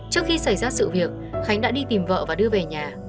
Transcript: trước khi xảy ra sự việc khánh đã đi tìm vợ và đưa về nhà